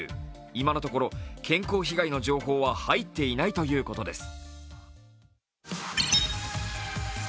今のところ健康被害の情報は入っていないということです。